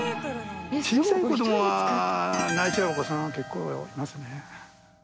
小さい子供は泣いちゃうお子さんは結構いますね。